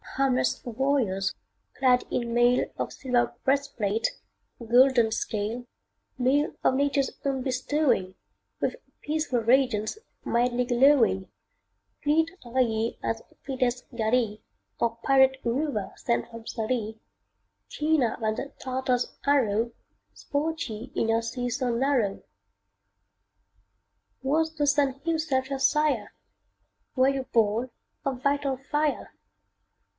Harmless warriors, clad in mail Of silver breastplate, golden scale; Mail of Nature's own bestowing, With peaceful radiance, mildly glowing Fleet are ye as fleetest galley Or pirate rover sent from Sallee; Keener than the Tartar's arrow, Sport ye in your sea so narrow. Was the sun himself your sire? Were ye born of vital fire?